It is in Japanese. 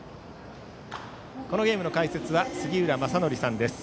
このゲームの解説は杉浦正則さんです。